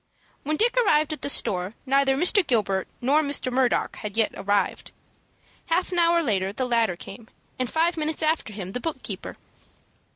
When Dick arrived at the store neither Mr. Gilbert nor Mr. Murdock had yet arrived. Half an hour later the latter came, and five minutes after him the book keeper.